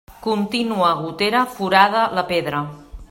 Contínua gotera forada la pedra.